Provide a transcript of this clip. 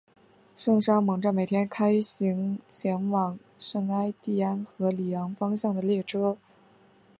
圣沙蒙站每天开行前往圣艾蒂安和里昂方向的列车。